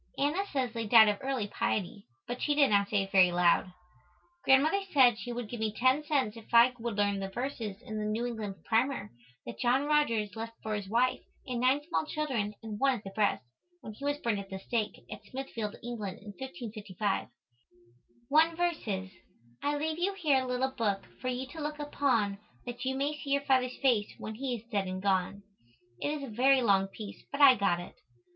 Anna says they died of "early piety," but she did not say it very loud. Grandmother said she would give me 10 cents if I would learn the verses in the New England Primer that John Rogers left for his wife and nine small children and one at the breast, when he was burned at the stake, at Smithfield, England, in 1555. One verse is, "I leave you here a little book for you to look upon that you may see your father's face when he is dead and gone." It is a very long piece but I got it.